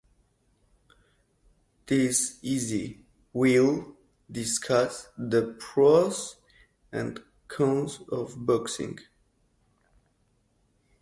This essay will discuss the pros and cons of boxing.